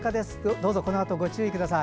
どうぞ、このあとご注意ください。